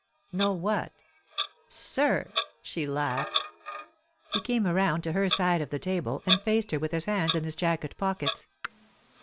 'No what?' 'Sir!' She laughed. He came around to her side of the table, and faced her with his hands in his jacket pockets.